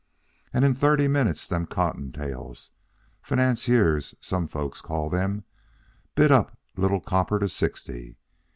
And in thirty minutes them cottontails financiers, some folks call them bid up Little Copper to sixty.